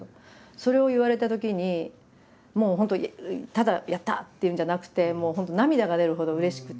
それを言われたときにもう本当にただ「やった！」っていうんじゃなくて本当涙が出るほどうれしくて。